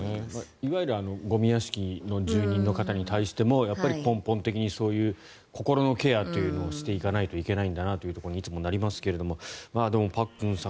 いわゆるゴミ屋敷の住人の方に対しても根本的にそういう心のケアというのをしていかなければいけないんだなというところにいつもなりますがでもパックンさん